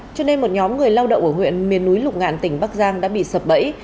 cho nên một nhóm người lao động ở huyện miền núi lục ngạn tỉnh bắc giang đã bị sập bẫy